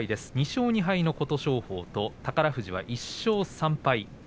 ２勝２敗の琴勝峰と宝富士は１勝３敗。